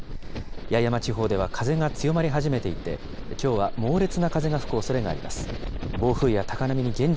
八重山地方では風が強まり始めていて、きょうは猛烈な風が吹くおそれがあります。